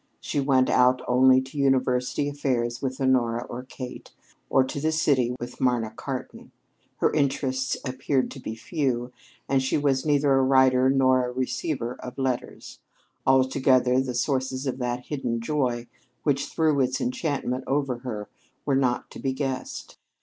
She went out only to University affairs with Honora or Kate, or to the city with Marna Cartan. Her interests appeared to be few; and she was neither a writer nor a receiver of letters. Altogether, the sources of that hidden joy which threw its enchantment over her were not to be guessed.